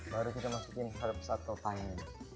baru kita masukkan herbs satu piring